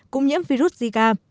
cũng nhiễm virus zika